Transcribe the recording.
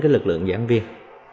lực lượng giảng viên